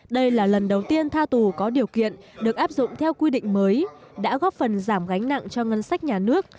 đây là lần đầu tiên tha tù có điều kiện được áp dụng theo quy định mới đã góp phần giảm gánh nặng cho ngân sách nhà nước